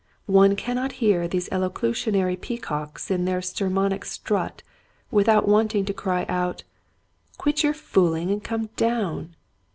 One can not hear these elocutionary peacocks in their sermonic strut without wanting to cry out, *' Quit your fooling and come down